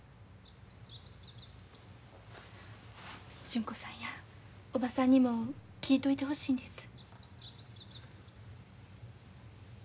純子さんやおばさんにも聞いといてほしいんです。